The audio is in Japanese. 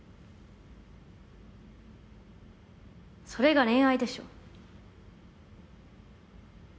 それが恋愛でしょ。